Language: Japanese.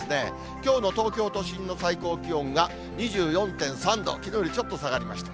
きょうの東京都心の最高気温が２４．３度、きのうよりちょっと下がりました。